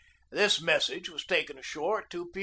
This message was taken ashore at 2 p.